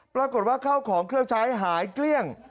ปรากฏว่าเข้าของเครื่องใช้หายเกลี้ยง